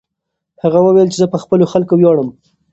هغه وویل چې زه په خپلو خلکو ویاړم.